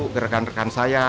ke rekan rekan saya